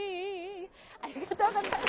ありがとうございます。